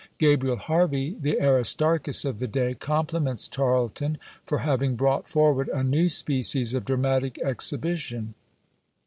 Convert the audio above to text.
Gabriel Harvey, the Aristarchus of the day, compliments Tarleton for having brought forward a new species of dramatic exhibition.